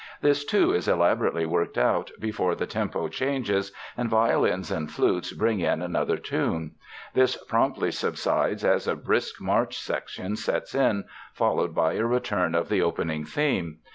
This, too, is elaborately worked out, before the tempo changes and violins and flutes bring in another tune. This promptly subsides as a brisk march section sets in, followed by a return of the opening theme.